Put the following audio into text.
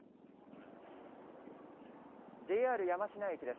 ＪＲ山科駅です。